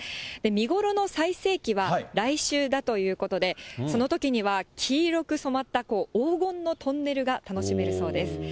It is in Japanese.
見頃の最盛期は来週だということで、そのときには黄色く染まった、黄金のトンネルが楽しめるそうです。